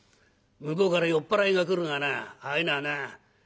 向こうから酔っ払いが来るがなああいうのはな